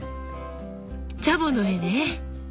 チャボの絵ね。